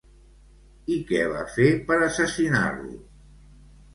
I què va fer per assassinar-lo?